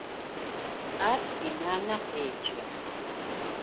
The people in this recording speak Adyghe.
Ar sinane khêce.